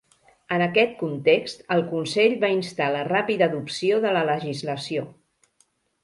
En aquest context, el Consell va instar la ràpida adopció de la legislació.